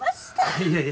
いやいや。